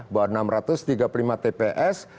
bahwa enam ratus tiga puluh lima tps